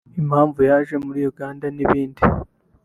impamvu yaje muri Uganda n’ibindi